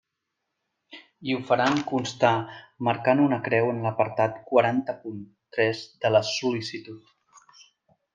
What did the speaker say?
I ho faran constar marcant una creu en l'apartat quaranta punt tres de la sol·licitud.